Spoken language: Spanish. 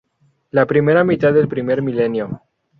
La primera mitad del primer milenio.